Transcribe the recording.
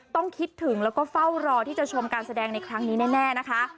คิดถึงแล้วก็เฝ้ารอที่จะชมการแสดงในครั้งนี้แน่นะคะ